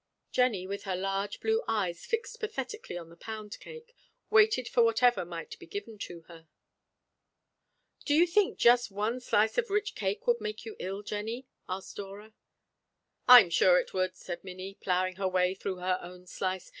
Jennie, with her large blue eyes fixed pathetically on the pound cake, waited for whatever might be given to her. "Do you think just one slice of rich cake would make you ill, Jennie?" asked Dora. "I am sure it would," said Minnie, ploughing her way through her own slice.